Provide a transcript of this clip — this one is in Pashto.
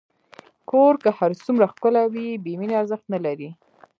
کور که هر څومره ښکلی وي، بېمینې ارزښت نه لري.